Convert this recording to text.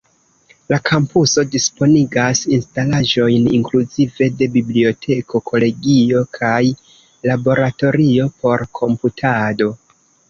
La kampuso disponigas instalaĵojn inkluzive de biblioteko, kolegio kaj laboratorio por komputado.